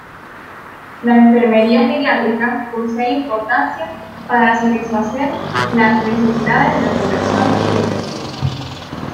La enfermería geriátrica posee importancia para satisfacer las necesidades de la población que envejece.